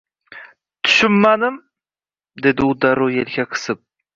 — Tushunmadim? – dedi u darrov yelka qisib.